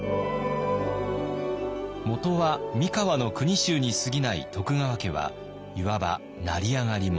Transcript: もとは三河の国衆にすぎない徳川家はいわば成り上がり者。